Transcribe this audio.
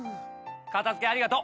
片付けありがとう！